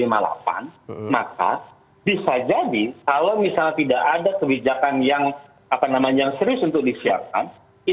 maka bisa jadi kalau misalnya tidak ada kebijakan yang serius untuk disiapkan